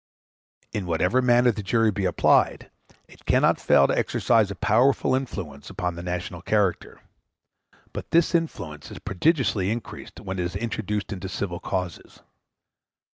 In whatever manner the jury be applied, it cannot fail to exercise a powerful influence upon the national character; but this influence is prodigiously increased when it is introduced into civil causes.